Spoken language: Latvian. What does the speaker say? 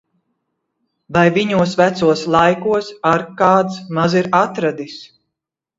Vai viņos vecos laikos ar kāds maz ir atradis!